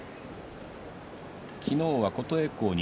昨日は琴恵光に